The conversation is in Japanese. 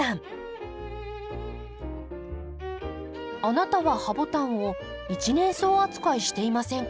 あなたはハボタンを一年草扱いしていませんか？